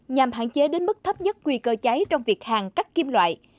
nhằm hạn chế đến mức thấp nhất nguy cơ cháy trong việc hàn cắt kim loại